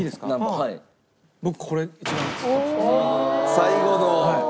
最後の？